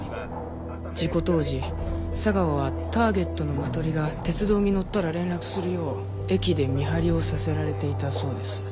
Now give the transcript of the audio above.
事故当時佐川はターゲットのマトリが鉄道に乗ったら連絡するよう駅で見張りをさせられていたそうです。